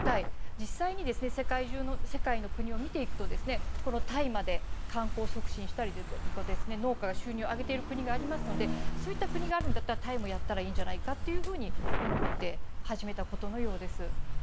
実際に世界の国を見ていくとこの大麻で観光促進したり農家が収入を上げている国がありますのでそういった国があるんだったタイもやったらいいんじゃないかと思って始めたことのようです。